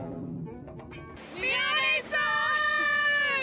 宮根さーん！